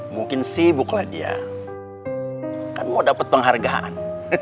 mungkin sibuklah dia kan mau dapat penghargaan